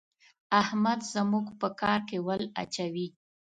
احمد زموږ په کار کې ول اچوي.